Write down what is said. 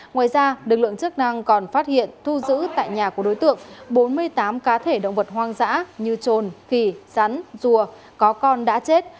ngoài ra lực lượng chức năng còn phát hiện thu giữ tại nhà của đối tượng bốn mươi tám cá thể động vật hoang dã như trồn khỉ rắn rùa có con đã chết